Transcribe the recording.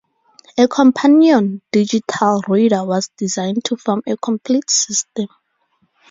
A companion digital reader was designed to form a complete system.